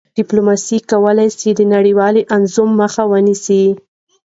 ډیپلوماسي کولای سي د نړیوالي انزوا مخه ونیسي..